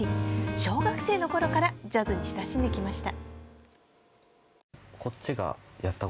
小学生のころからジャズに親しんできました。